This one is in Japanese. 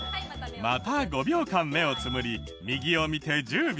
また５秒間目をつむり右を見て１０秒。